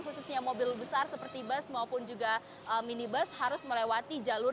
khususnya mobil besar seperti bus maupun juga minibus harus melewati jalur